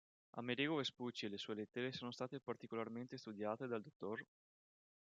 Amerigo Vespucci e le sue lettere sono state particolarmente studiate dal dott.